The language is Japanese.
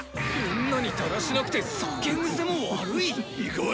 女にだらしなくて酒グセも悪い⁉意外！